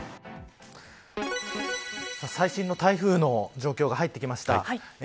最新の台風の状況が入ってきました。